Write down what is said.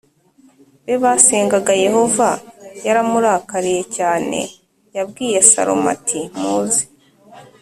be basengaga Yehova yaramurakariye cyane Yabwiye Salomo ati muze